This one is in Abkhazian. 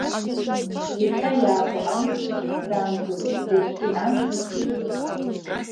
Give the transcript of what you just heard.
Иахьа иаабо амацараҿ ҳзаангылом, уаҵәтәи амш ҳазхәыцлароуп.